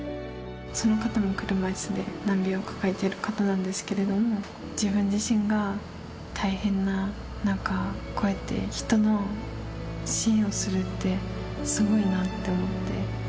その方も車いすで、難病を抱えてる方なんですけれども、自分自身が大変な中、こうやって人の支援をするってすごいなって思って。